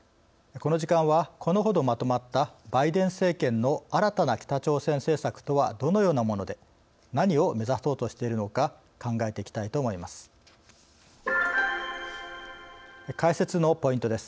この時間は、このほどまとまったバイデン政権の新たな北朝鮮政策とはどのようなもので何を目指そうとしているのか考えていきたいと思います。